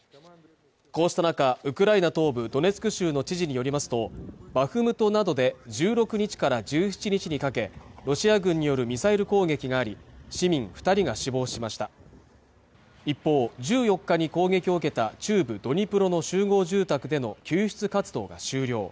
こうした中ウクライナ東部ドネツク州の知事によりますとバフムトなどで１６日から１７日にかけロシア軍によるミサイル攻撃があり市民二人が死亡しました一方１４日に攻撃を受けた中部ドニプロの集合住宅での救出活動が終了